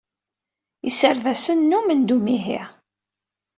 Iserdasen nnumen d umihi.